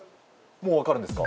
もう分かるんですか？